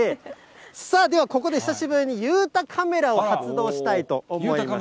さあ、ここで久しぶりに裕太カメラを発動したいと思います。